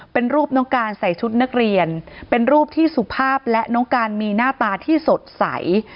เป็นรูปน้องการใส่ชุดนักเรียนเป็นรูปที่สุภาพและน้องการมีหน้าตาที่สดใส